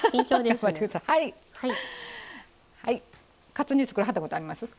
カツ煮作らはったことあります？